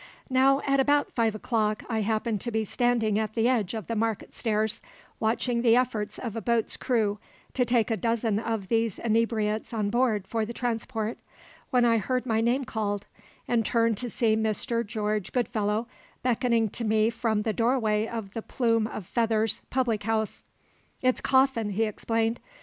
Now at about five o'clock I happened to be standing at the edge of the Market Stairs, watching the efforts of a boat's crew to take a dozen of these inebriates on board for the transport, when I heard my name called, and turned to see Mr. George Goodfellow beckoning to me from the doorway of the Plume of Feathers public house. "It's Coffin," he explained.